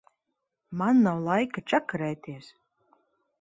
Man nav laika čakarēties.